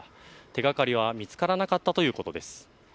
手がかりは見つからなかったということです。